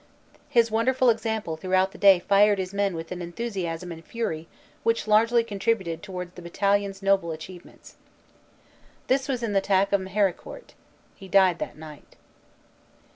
His wonderful example throughout the day fired his men with an enthusiasm and fury which largely contributed towards the battalion s noble achievements." This was in the attack on Meharicourt. He died that night.